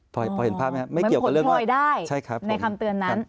พอเห็นภาพไหมครับไม่เกี่ยวกับเรื่องนี้ใช่ครับในคำเตือนนั้น